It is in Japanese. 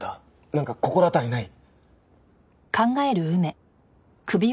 なんか心当たりない？